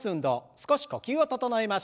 少し呼吸を整えましょう。